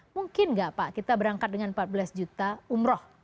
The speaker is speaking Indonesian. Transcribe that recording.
mungkin nggak pak kita berangkat dengan empat belas juta umroh